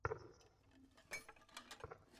তোকে কতবার বলেছি বড় শট না খেলতে।